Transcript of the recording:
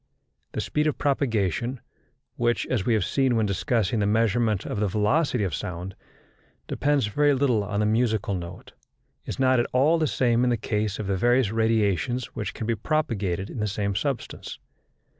The speed of propagation, which, as we have seen when discussing the measurement of the velocity of sound, depends very little on the musical note, is not at all the same in the case of the various radiations which can be propagated in the same substance.